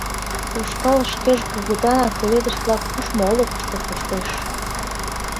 Ушкал шкеж кугытанак пеледыш-влак кушмо олыкышто коштеш.